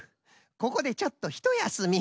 ここでちょっとひとやすみ。